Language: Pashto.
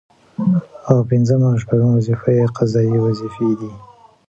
او پنځمه او شپومه وظيفه يې قضايي وظيفي دي